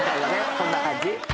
そんな感じ